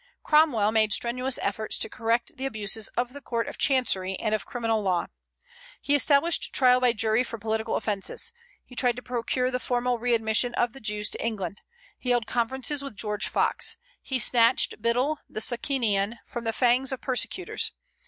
Cromwell made strenuous efforts to correct the abuses of the court of chancery and of criminal law. He established trial by jury for political offences. He tried to procure the formal re admission of the Jews to England. He held conferences with George Fox. He snatched Biddle, the Socinian, from the fangs of persecutors.